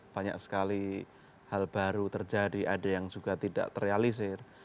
banyak sekali hal baru terjadi ada yang juga tidak terrealisir